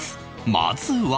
まずは